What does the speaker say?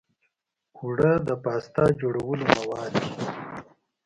اوړه د پاستا جوړولو مواد دي